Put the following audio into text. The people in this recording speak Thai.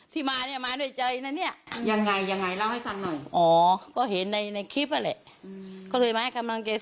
คือจากตอนที่เราได้เจอกับท่านส่วนตัวมาก่อนนี้